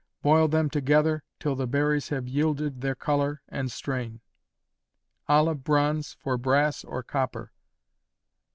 boil them together till the berries have yielded their color, and strain. Olive bronze, for brass or copper.